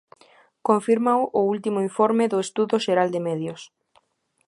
Confírmao o último informe do Estudo Xeral de Medios.